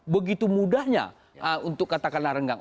begitu mudahnya untuk katakanlah renggang